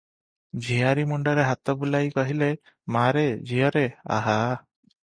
ଝିଆରୀ ମୁଣ୍ତରେ ହାତ ବୁଲାଇ କହିଲେ, "ମା'ରେ, ଝିଅରେ, ଆହା!